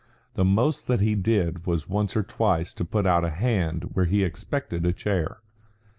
The most that he did was once or twice to put out a hand where he expected a chair.